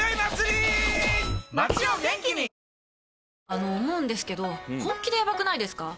「あの思うんですけど本気でヤバくないですか？